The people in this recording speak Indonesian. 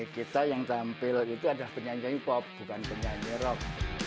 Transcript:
kita yang tampil itu adalah penyanyi hip pop bukan penyanyi rock